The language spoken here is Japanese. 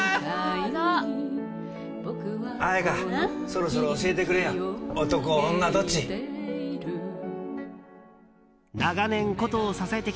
そろそろ教えてくれよ男、女どっち？